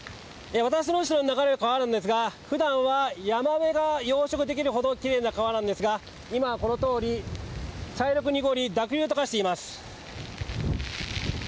私の後ろに流れる川なんですが普段はヤマメが養殖できるほどきれいな川なんですが今はこのとおり茶色く濁り濁流と化しています。